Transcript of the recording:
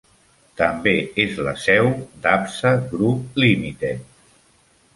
També és la seu d'Absa Group Limited.